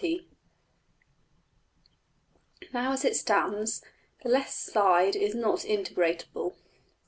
\] Now, as it stands, the left side is not integrable.